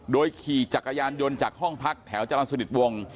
ขี่จักรยานยนต์จากห้องพักแถวจรรย์สนิทวง